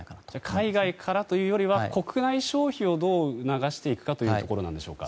海外からというよりは国内消費をどう促していくかというところでしょうか。